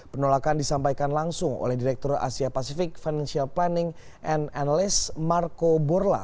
penolakan disampaikan langsung oleh direktur asia pacific financial planning and analyst marco borla